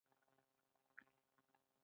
ښه مېړه لکه ګبين خوږ وي